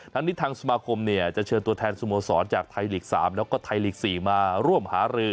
ทั้งนี้ทางสมาคมจะเชิญตัวแทนสโมสรจากไทยลีก๓แล้วก็ไทยลีก๔มาร่วมหารือ